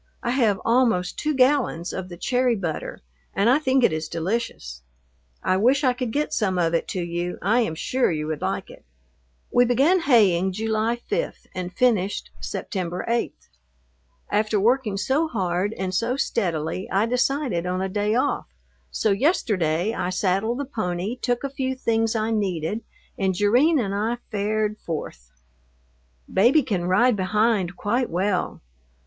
I have almost two gallons of the cherry butter, and I think it is delicious. I wish I could get some of it to you, I am sure you would like it. We began haying July 5 and finished September 8. After working so hard and so steadily I decided on a day off, so yesterday I saddled the pony, took a few things I needed, and Jerrine and I fared forth. Baby can ride behind quite well.